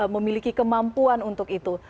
memiliki kemampuan untuk itu